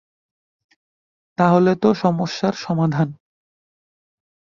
তাহলে তো সমস্যার সমাধান।